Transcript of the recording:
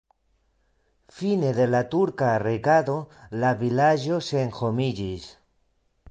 Fine de la turka regado la vilaĝo senhomiĝis.